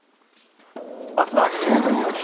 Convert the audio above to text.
明日は秋分の日。